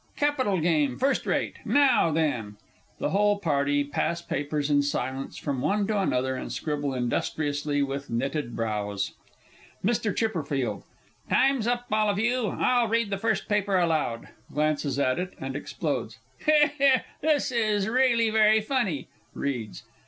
Capital game first rate. Now, then! [The whole party pass papers in silence from one to another, and scribble industriously with knitted brows. MR. C. Time's up, all of you. I'll read the first paper aloud. (Glances at it, and explodes.) He he! this is really very funny. (_Reads.